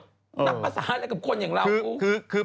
นักภาษาและมีคนคนอย่างเรา